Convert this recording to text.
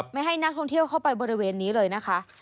ไม่ให้นักท่องเที่ยวเข้าไปบริเวณนี้เลยนะคะ